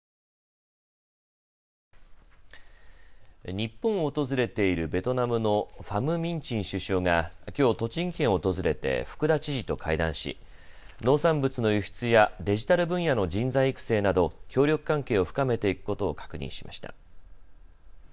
日本を訪れているベトナムのファム・ミン・チン首相がきょう栃木県を訪れて福田知事と会談し農産物の輸出やデジタル分野の人材育成など協力関係を深めていくことを確認しました。